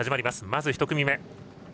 まず、１組目。